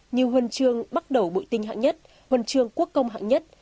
nhiều huần trương bắt đầu bụi tinh hạng nhất huần trương quốc công hạng nhất